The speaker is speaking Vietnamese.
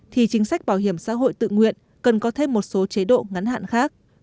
thì chính sách bảo hiểm xã hội tự nguyện cần có thêm một số chế độ ngắn hạn khác